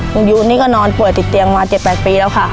หนูอยู่นี่ก็นอนเปลือกติดเตียงมา๑๘ปีแล้วค่ะ